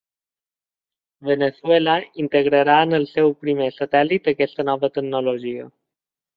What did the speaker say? Veneçuela, integrarà en el seu primer satèl·lit aquesta nova tecnologia.